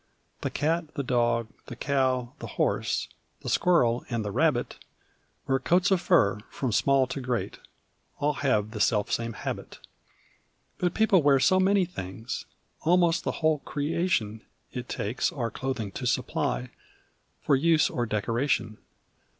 The cat, the dog, the cow, the horse, The squirrel and the rabbit, Wear coats of fur; from small to great, All have the selfsame habit. But people wear so many things! Almost the whole creation It takes our clothing to supply For use or decoration.